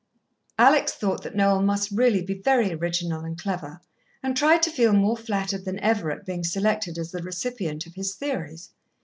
Alex thought that Noel must really be very original and clever, and tried to feel more flattered than ever at being selected as the recipient of his theories.